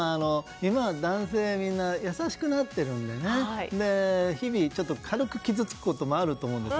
今は男性がみんな優しくなっているのでね日々軽く傷つくこともあると思うんです。